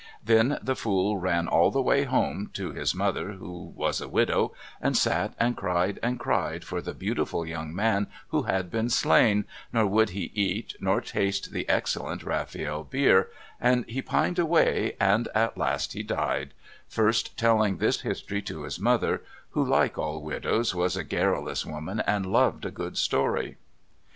Then the fool ran all the way home to his mother who was a widow, and sat and cried and cried for the beautiful young man who had been slain, nor would he eat, nor taste the excellent Rafiel beer, and he pined away, and at last he died, first telling this history to his mother, who, like all widows, was a garulous woman and loved a good story...